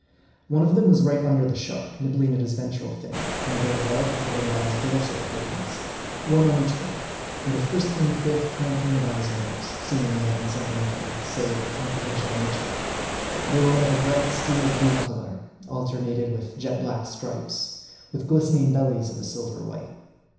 One of them was right under the shark, nibbling at his ventral fin ; another above, hovering about his dorsal ap purtenance ; one on each flank ; and a frisking fifth prank ing about his nose, seemingly having something to say of a confidential nature. They were of a bright, steel blue color, alternated with jet black stripes ; with glistening bellies of a silver white.